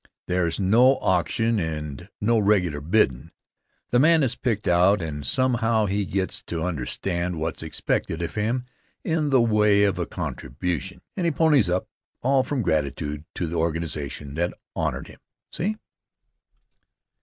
There's no auction and no regular biddin'. The man is picked out and somehow he gets to understand what's expected of him in the way of a contribution, and he ponies up all from gratitude to the organization that honored him, see?